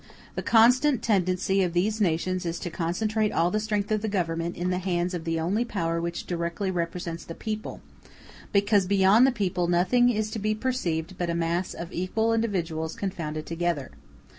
The constant tendency of these nations is to concentrate all the strength of the Government in the hands of the only power which directly represents the people, because beyond the people nothing is to be perceived but a mass of equal individuals confounded together.